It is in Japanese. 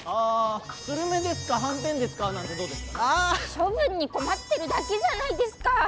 処分に困ってるだけじゃないですか！